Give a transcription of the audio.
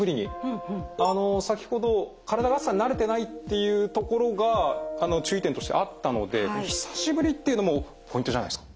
あの先ほど体が暑さに慣れてないっていうところが注意点としてあったので「久しぶり」っていうのもポイントじゃないですか？